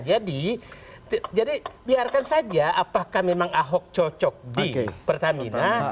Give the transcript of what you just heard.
jadi biarkan saja apakah memang ahok cocok di pertamina